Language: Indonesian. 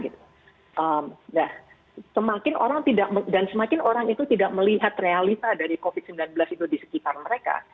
nah semakin orang tidak dan semakin orang itu tidak melihat realita dari covid sembilan belas itu di sekitar mereka